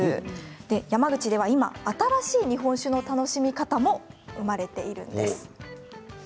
山口では今、新しい日本酒の楽しみ方も生まれているんです。